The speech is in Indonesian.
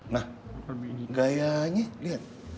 nah gayanya liat